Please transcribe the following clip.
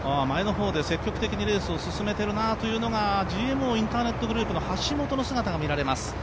前の方で積極的にレースを進めているなというのがＧＭＯインターネットグループの橋本の姿が見られます。